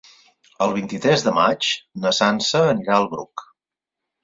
El vint-i-tres de maig na Sança anirà al Bruc.